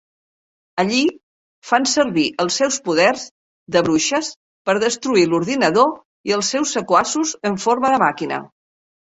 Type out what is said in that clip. Allí, fan servir els seus poders de bruixes per destruir l'ordinador i els seus sequaços en forma de màquina.